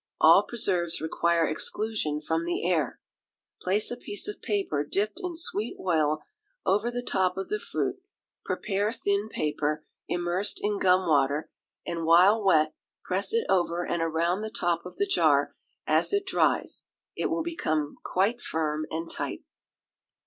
All preserves require exclusion from the air. Place a piece of paper dipped in sweet oil over the top of the fruit; prepare thin paper, immersed in gum water, and while wet, press it over and around the top of the jar; as it dries, it will become quite firm and tight.